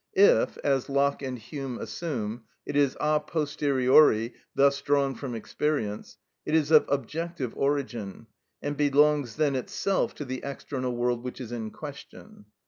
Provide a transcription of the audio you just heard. If, as Locke and Hume assume, it is a posteriori, thus drawn from experience, it is of objective origin, and belongs then itself to the external world which is in question.